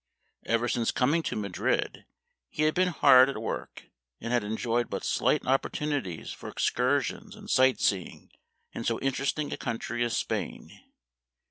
Ever since coming to Madrid he had been hard at work, and had enjoyed but slight opportunities for excursions and sight seeing in so interesting a country as Spain.